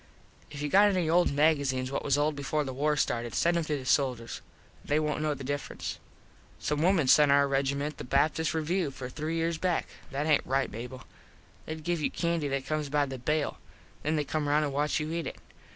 If you got any old magazenes what was old before the war started send em to the soldiers. They wont know the difference. Some wimen sent our regiment the Baptist Review for three years back. That aint right, Mable. They give you candy that comes by the bale. Then they come round an watch you eat it.